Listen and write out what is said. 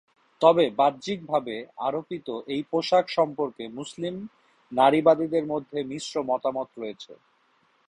তবে বাহ্যিকভাবে আরোপিত এই পোশাক সম্পর্কে মুসলিম নারীবাদীদের মধ্যে মিশ্র মতামত রয়েছে।